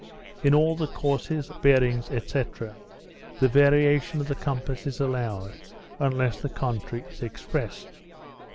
In all the courses, bearings, &c., the variation of the compass is allowed, unless the contrary is expressed.